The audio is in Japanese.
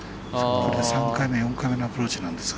これで３回目、４回目のアプローチなんですが。